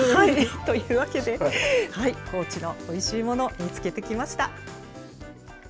というわけで、高知のおいしいもの、見つけてきました。